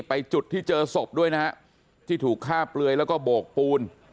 จุดที่เจอศพด้วยนะฮะที่ถูกฆ่าเปลือยแล้วก็โบกปูน